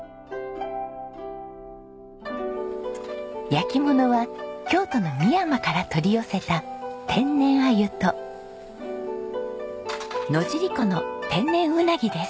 焼き物は京都の美山から取り寄せた天然鮎と野尻湖の天然鰻です。